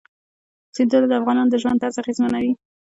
سیندونه د افغانانو د ژوند طرز اغېزمنوي.